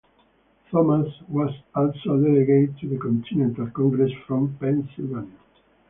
Thomas was also a Delegate to the Continental Congress from Pennsylvania.